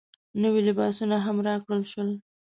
نوي لباسونه هم راکړل شول.